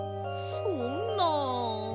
そんなあ。